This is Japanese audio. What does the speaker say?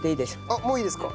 あっもういいですか？